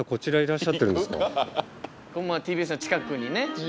まぁＴＢＳの近くにね。